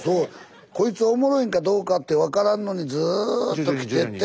こいつおもろいんかどうかって分からんのにずっと来てて。